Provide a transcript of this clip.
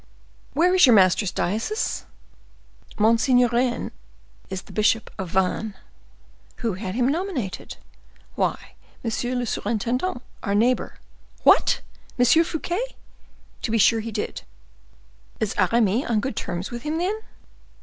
"Where is your master's diocese?" "Monseigneur Rene is bishop of Vannes." "Who had him nominated?" "Why, monsieur le surintendant, our neighbor." "What! Monsieur Fouquet?" "To be sure he did." "Is Aramis on good terms with him, then?"